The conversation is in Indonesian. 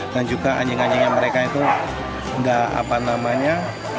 dan juga anjing anjingnya mereka itu nggak apa namanya